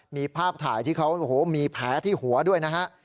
มีภาพถ่ายที่เขาโอ้โหมีแผลที่หัวด้วยนะฮะ